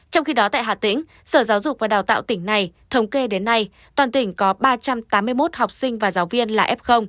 trong khi đó tại hà tĩnh sở giáo dục và đào tạo tỉnh này thống kê đến nay toàn tỉnh có ba trăm tám mươi một học sinh và giáo viên là f